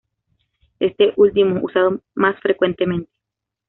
Este último usado más frecuentemente.